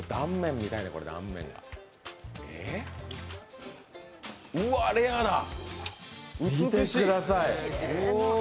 見てください。